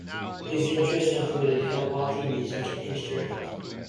His interests include hill walking, music and history.